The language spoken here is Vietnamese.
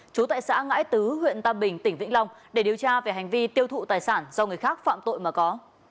chú tại xã ngãi tứ huyện tam bình tỉnh vĩnh long để điều tra về hành vi tiêu thụ tài sản do người khác phạm tội mà có